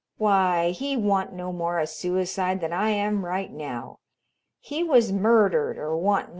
"Why, he wan't no more a suicide than I am right now. He was murdered or wan't nothin'!